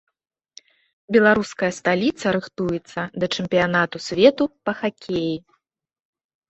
Беларуская сталіца рыхтуецца да чэмпіянату свету па хакеі.